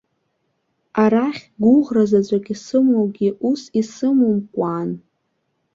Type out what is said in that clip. Арахь гәыӷра заҵәык исымоугьы ус исымумкәкәаан.